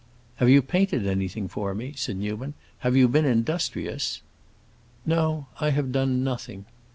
"Have you painted anything for me?" said Newman. "Have you been industrious?" "No, I have done nothing."